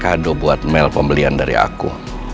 kado buat mel pembelian dari aku